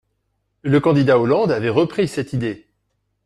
Le candidat Hollande avait repris cette idée.